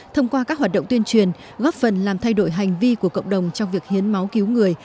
thông qua các hoạt động tuyên truyền góp phần làm thay đổi hành vi của cộng đồng trong việc hiến máu cứu người